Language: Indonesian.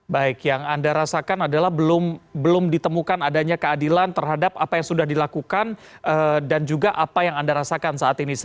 baik yang anda rasakan adalah belum ditemukan adanya keadilan terhadap apa yang sudah dilakukan dan juga apa yang anda rasakan saat ini